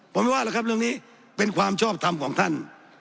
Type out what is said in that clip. ผมไม่ว่าหรอกครับเรื่องนี้เป็นความชอบทำของท่าน